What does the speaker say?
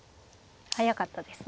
速かったですね。